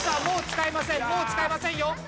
もう使えませんよ。